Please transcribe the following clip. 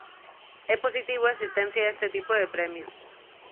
É positivo a existencia deste tipo de premios.